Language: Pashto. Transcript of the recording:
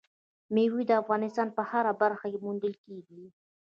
مېوې د افغانستان په هره برخه کې موندل کېږي.